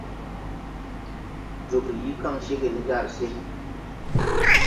Jooge yii kaŋ cégè ne jar se.